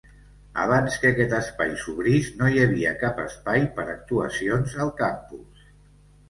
Abans que aquest espai s'obrís no hi havia cap espai per actuacions al campus.